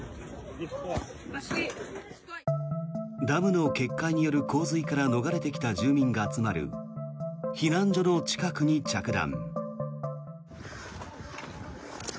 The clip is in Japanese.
ダムの決壊による洪水から逃れてきた住民が集まる避難所の近くに着弾。